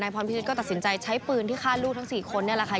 พรพิชิตก็ตัดสินใจใช้ปืนที่ฆ่าลูกทั้ง๔คนนี่แหละค่ะ